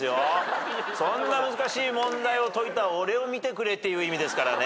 そんな難しい問題を解いた俺を見てくれっていう意味ですからね。